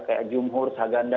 kayak jumhur saganda